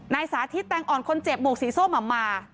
นายสาธิตแตงอ่อนคนเจ็บหมวกสีโซ่หม่ำมา